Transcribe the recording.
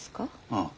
ああ。